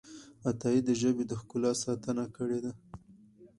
عطايي د ژبې د ښکلا ساتنه کړې ده.